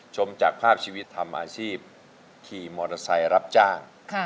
ชมจากภาพชีวิตทำอาชีพขี่มอเตอร์ไซค์รับจ้าง